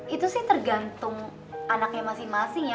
itu sih tergantung anaknya masing masing ya